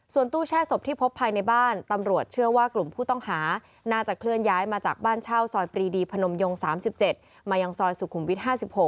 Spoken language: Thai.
ส่วนตู้แช่ศพที่พบภายในบ้านตำรวจเชื่อว่ากลุ่มผู้ต้องหาน่าจะเคลื่อนย้ายมาจากบ้านเช่าซอยปรีดีพนมยง๓๗มายังซอยสุขุมวิท๕๖